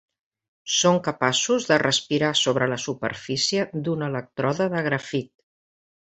Són capaços de respirar sobre la superfície d'un elèctrode de grafit.